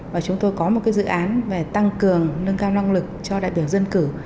và chúng tôi có một dự án về tăng cường nâng cao năng lực cho đại biểu dân cử